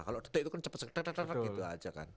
kalau detik itu kan cepet cepet gitu aja kan